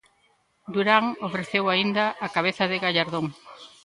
Durán ofreceu aínda a cabeza de Gallardón.